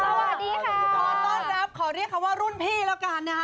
ขอต้อนรับขอเรียกเขาว่ารุ่นพี่แล้วกันนะคะ